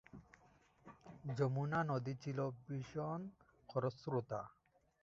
যমুনা নদী ছিল ভীষণ খরস্রোতা।